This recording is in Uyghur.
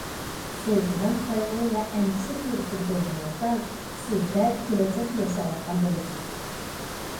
سىز غەم- قايغۇ ۋە ئەندىشە تۇيغۇسىدا بولغىنىڭىزدا سىز دەل كېلەچەكتە ياشاۋاتقان بولىسىز.